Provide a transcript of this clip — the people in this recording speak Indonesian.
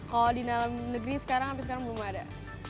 kalau di dalam negeri sekarang sampai sekarang belum ada